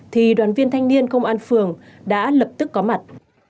thì đoàn viên thanh niên công an phường đã lập tức có mặt